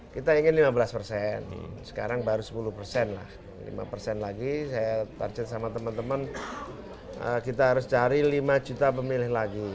kita ingin lima belas persen sekarang baru sepuluh persen lah lima persen lagi saya target sama teman teman kita harus cari lima juta pemilih lagi